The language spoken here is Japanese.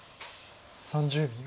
３０秒。